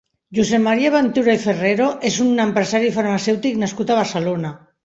Josep Maria Ventura i Ferrero és un empresari farmacèutic nascut a Barcelona.